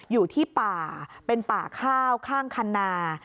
อยู่ที่ป่าเป็นป่าข้าวข้างคันนา